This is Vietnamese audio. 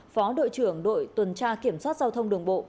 phó đội trưởng đội tuần tra kiểm soát giao thông đường bộ